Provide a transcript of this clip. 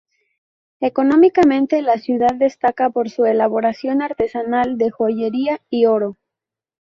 Económicamente la ciudad destaca por su elaboración artesanal de joyería y oro.